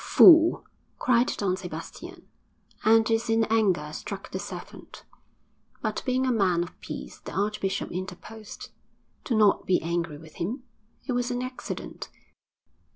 'Fool!' cried Don Sebastian, and in his anger struck the servant. But being a man of peace, the archbishop interposed. 'Do not be angry with him; it was an accident.